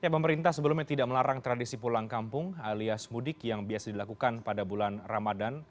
pemerintah sebelumnya tidak melarang tradisi pulang kampung alias mudik yang biasa dilakukan pada bulan ramadan